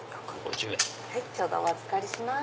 ちょうどお預かりします。